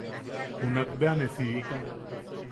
Junak bea ne siika.